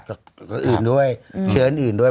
สีวิต้ากับคุณกรนิดหนึ่งดีกว่านะครับแฟนแห่เชียร์หลังเห็นภาพ